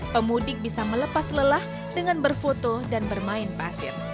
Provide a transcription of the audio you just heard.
pemudik bisa melepas lelah dengan berfoto dan bermain pasir